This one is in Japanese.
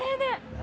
何？